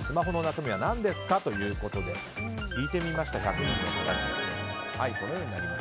スマホの中身は何ですかということで聞いてみました、１００人の方に。